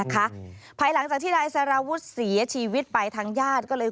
ภายหลังจากที่นายสารวุฒิเสียชีวิตไปทางญาติก็เลย